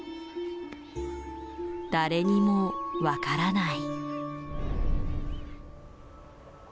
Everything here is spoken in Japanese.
誰にも分からない。